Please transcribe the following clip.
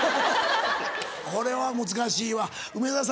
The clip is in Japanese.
これは難しいわ梅沢さん